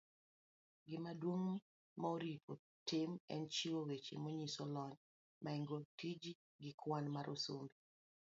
Gimaduong ' maoripo itim en chiwo weche manyiso lony maingo, tiji, gi kwan mar sombi.